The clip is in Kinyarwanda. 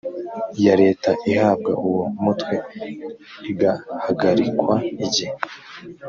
ya leta ihabwa uwo mutwe igahagarikwa igihe